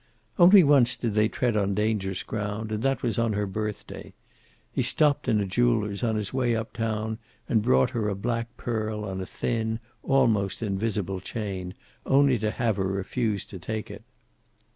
Only once did they tread on dangerous ground, and that was on her birthday. He stopped in a jeweler's on his way up town and brought her a black pearl on a thin almost invisible chain, only to have her refuse to take it.